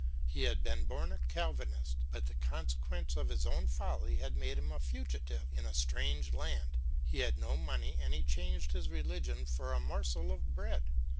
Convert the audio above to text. He had been born a Calvinist, but the consequences of his own folly had made him a fugitive in a strange land; he had no money and he changed his religion for a morsel of bread.